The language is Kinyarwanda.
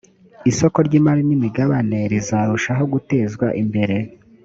isoko ry imari n imigabane rizarushaho gutezwa imbere